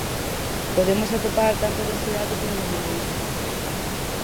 Podemos atopar tanta densidade como minimalismo.